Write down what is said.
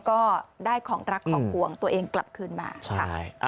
ก็ได้ของรักของห่วงตัวเองกลับคืนมาค่ะ